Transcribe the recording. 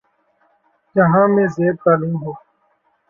جہاں میں زیرتعلیم ہوں